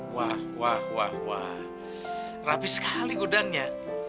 wah wah wah wah rapi sekali udangnya